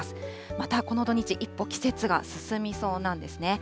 またこの土日、一歩、季節が進みそうなんですね。